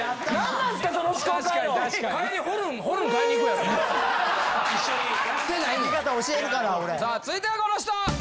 さあ続いてはこの人！